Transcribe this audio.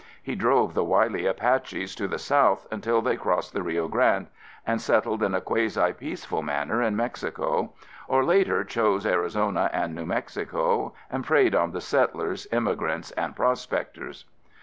He drove the wily Apaches to the south until they crossed the Rio Grande and settled in a quasi peaceful manner in Mexico, or later chose Arizona and New Mexico and preyed on the settlers, immigrants and prospectors.